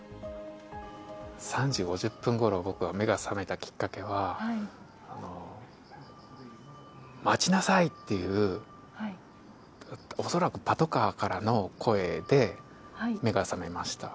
３時５０分ごろ、僕は目が覚めたきっかけは、待ちなさいっていう、恐らくパトカーからの声で、目が覚めました。